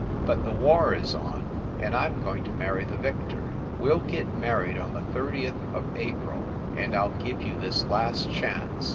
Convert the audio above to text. But the war is on, and I m going to marry the victor. We ll get married on the thirtieth of April, and I ll give you this last chance.